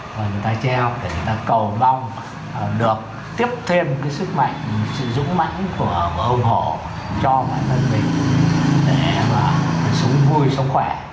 và người ta treo để người ta cầu mong được tiếp thêm cái sức mạnh sự dũng mãnh của hồng hổ cho bản thân mình để mà sống vui sống khỏe